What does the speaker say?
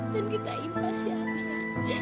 dan kita impas ya mia